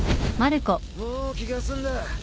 もう気が済んだ。